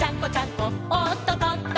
こおっととっと」